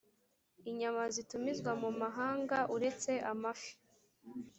inyama zitumizwa mu mahanga uretse amafi